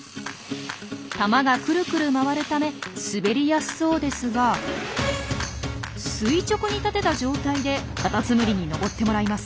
玉がクルクル回るため滑りやすそうですが垂直に立てた状態でカタツムリに上ってもらいます。